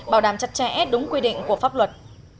bảo đảm chặt chẽ đúng quy định của pháp luật